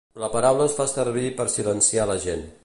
La paraula es fa servir per silenciar a la gent.